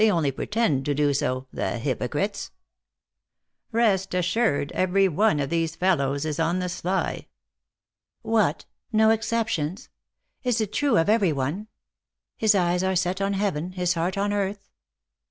only pretend to do so, the hypocrites ! Rest assured, every one of these fellows is on the sly." " What ! No exceptions ? Is it true of every one His eyes are set on heaven, his heart on earth?